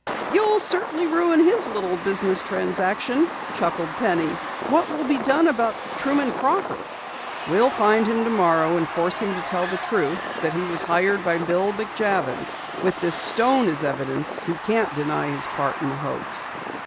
"You'll certainly ruin his little business transaction," chuckled Penny. "What will be done about Truman Crocker?" "We'll find him tomorrow and force him to tell the truth that he was hired by Bill McJavins. With this stone as evidence, he can't deny his part in the hoax."